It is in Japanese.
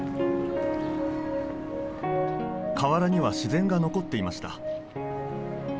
河原には自然が残っていました